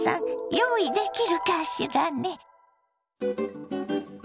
用意できるかしらね？